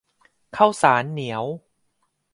ข้าวสารเหนียว